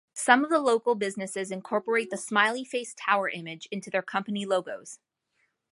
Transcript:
Some of the local businesses incorporate the smiley-face tower image into their company logos.